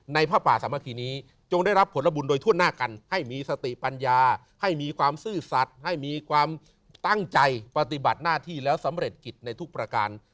พระป่าสามัคคีนี้จงได้รับผลบุญโดยทั่วหน้ากันให้มีสติปัญญาให้มีความซื่อสัตว์ให้มีความตั้งใจปฏิบัติหน้าที่แล้วสำเร็จกิจในทุกประการ